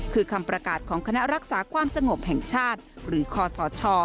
คือคำประกาศของคณะรักษาความสงบแห่งชาติหรือคอสช